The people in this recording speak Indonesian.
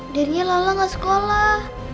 darinya lala gak sekolah